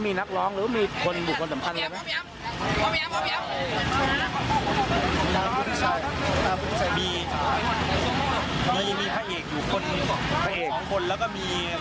มีครูสอนเต้นอยู่ซางคนครับ